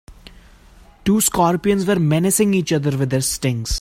Two scorpions were menacing each other with their stings.